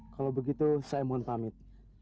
kalau begitu saya mohon pamit